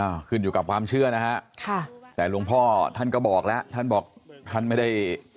ขึ้นอยู่กับความเชื่อนะฮะค่ะแต่หลวงพ่อท่านก็บอกแล้วท่านบอกท่านไม่ได้